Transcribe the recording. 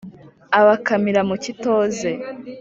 Abakamira mu kitoze